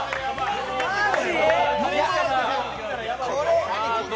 マジ？